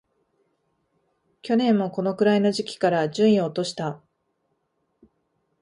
去年もこのくらいの時期から順位を落とした